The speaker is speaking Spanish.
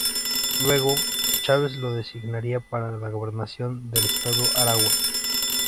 Luego, Chávez lo designaría para la gobernación del estado Aragua.